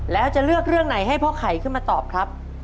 แล้วจะเลือกเรื่องไหนให้พ่อไข่ขึ้นมาตอบครับ